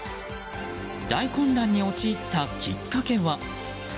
大混乱に陥ったきっかけは。